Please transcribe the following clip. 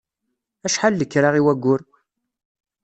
Acḥal lekra i wayyur?